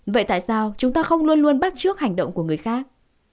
vậy tại sao chúng ta không luôn luôn bắt trước hành động của người khác